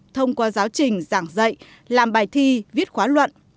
thông qua giáo trình giảng dạy làm bài thi viết khóa luận